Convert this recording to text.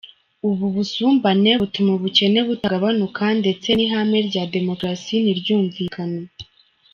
Ubu busumbane butuma ubukene butagabanuka ndetse n’ihame rya demokarasi ntiryumvikane.